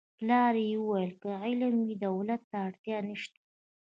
پلار یې ویل که علم وي دولت ته اړتیا نشته